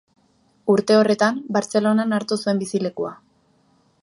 Urte horretan, Bartzelonan hartu zuen bizilekua.